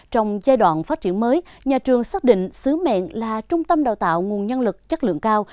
trong giai đoạn phát triển mới nhà trường xác định sứ mệnh là trung tâm đào tạo nguồn nhân lực chất lượng cao